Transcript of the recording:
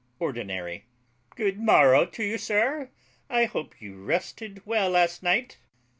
ORDINARY. Good morrow to you, sir; I hope you rested well last night.